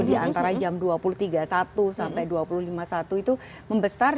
di antara jam dua puluh tiga puluh satu sampai dua puluh lima satu itu membesar